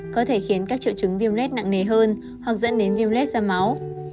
có thể khiến các triệu chứng viêm lết nặng nề hơn hoặc dẫn đến viêm lết ra máu